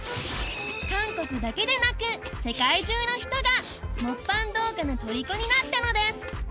韓国だけでなく世界中の人がモッパン動画のとりこになったのです